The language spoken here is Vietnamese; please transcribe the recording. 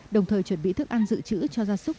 đồng thời chuẩn bị thức ăn dự trữ cho gia súc